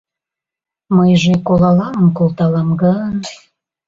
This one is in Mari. Мыйже колалалын колталам гын